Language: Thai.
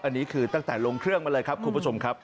อันนี้คือตั้งแต่ลงเครื่องมาเลยครับคุณผู้ชมครับ